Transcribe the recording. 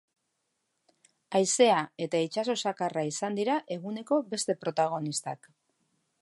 Haizea eta itsaso zakarra izan dira eguneko beste protagonistak.